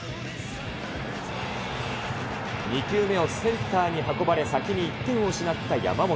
２球目をセンターに運ばれ、先に１点を失った山本。